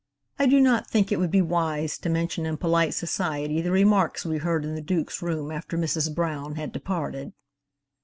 I do not think it would be wise to mention in polite society the remarks we heard in the Duke's room after Mrs. Brown had departed.